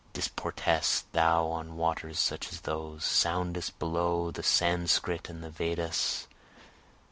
Disportest thou on waters such as those? Soundest below the Sanscrit and the Vedas?